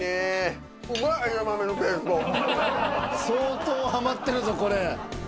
相当はまってるぞこれ。